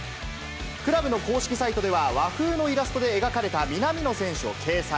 クラブの公式サイトでは、和風のイラストで描かれた南野選手を掲載。